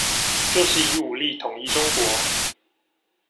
就是以武力統一中國